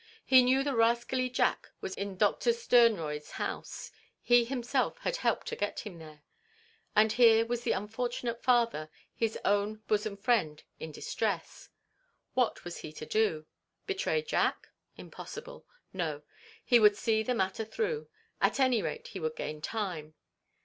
He knew the rascally Jack was in Doctor Sternroyd's house; he himself had helped to get him there; and here was the unfortunate father, his own bosom friend, in distress. What was he to do? Betray Jack? Impossible. No. He would see the matter through. At any rate, he would gain time.